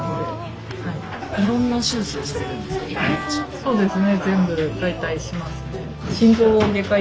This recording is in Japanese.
そうですね。